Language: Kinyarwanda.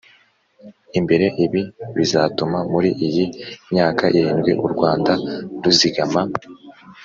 Imbere ibi bizatuma muri iyi myaka irindwi u rwanda ruzigama